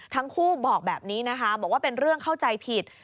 ทั้งคู่บอกแบบนี้นะคะบอกว่าเป็นเรื่องเข้าใจผิด